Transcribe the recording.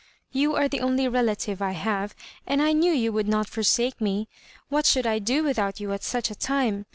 " You are the only relative I have, and I knew you would not forsake me. What should I do without you at such a time